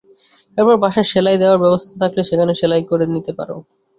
এরপর বাসায় সেলাই দেওয়ার ব্যবস্থা থাকলে সেখানে সেলাই করে নিতে পারো।